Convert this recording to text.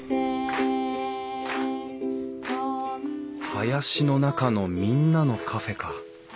「林の中のみんなのカフェ」か。